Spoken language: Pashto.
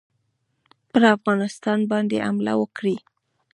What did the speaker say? پر افغانستان باندي حمله وکړي.